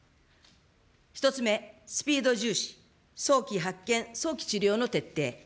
１つ目、スピード重視、早期発見、早期治療の徹底。